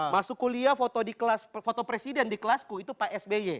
masuk kuliah foto di kelas foto presiden di kelasku itu pak sby